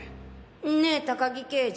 ねえ高木刑事。